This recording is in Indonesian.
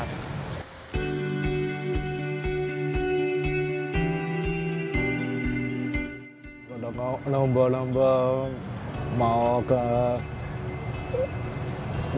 saya ingin mencoba untuk menjual benangnya untuk usaha kelas latihan